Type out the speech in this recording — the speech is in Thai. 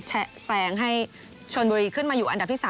แซงให้ชนบุรีขึ้นมาอยู่อันดับที่๓